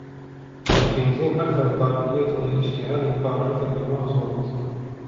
البنزين أكثر قابلية للاشتعال مقارنة بالمازوت.